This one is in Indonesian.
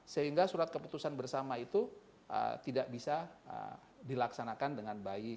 sehingga surat keputusan bersama itu tidak bisa dilaksanakan dengan baik